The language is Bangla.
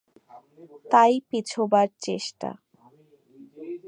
তাই পিছোবার চেষ্টা।